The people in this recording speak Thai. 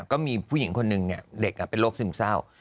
ก็มีผู้หญิงคนหนึ่งเด็กเป็นโรคซึมเศร้า